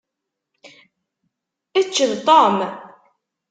Ečč d Tom!